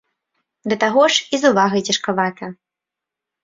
Да таго ж, і з увагай цяжкавата.